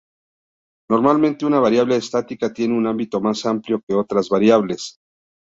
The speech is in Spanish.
Normalmente una variable estática tiene un ámbito más amplio que otras variables.